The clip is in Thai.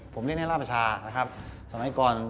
ผมเล่นให้ราบประชานะครับสมัยก่อน